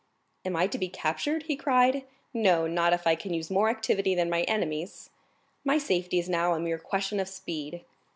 "Am I to be captured?" he cried; "no, not if I can use more activity than my enemies. My safety is now a mere question of speed."